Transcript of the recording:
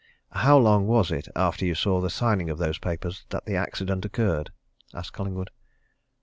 "How long was it after you saw the signing of those papers that the accident occurred?" asked Collingwood.